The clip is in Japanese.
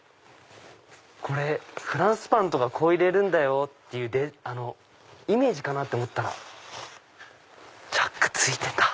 これフランスパンとかこう入れるんだよ！っていうイメージかなって思ったらチャック付いてた！